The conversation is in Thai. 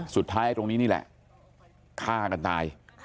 สุดท้ายตรงนี้นี่แหละฆ่ากันตาย